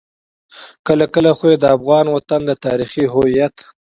کله کله خو يې د افغان وطن د تاريخي هويت.